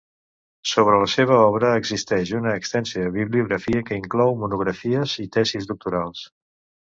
Sobre la seva obra existeix una extensa bibliografia que inclou monografies i tesis doctorals.